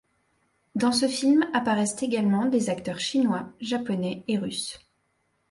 Dans ce film apparaissent également des acteurs chinois, japonais et russes.